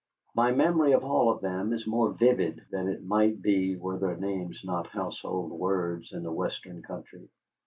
My memory of all of them is more vivid than it might be were their names not household words in the Western country.